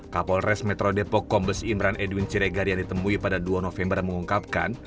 kapolres metro depok kombes imran edwin siregar yang ditemui pada dua november mengungkapkan